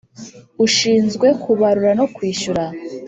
ushinzwe kubarura no kwishyura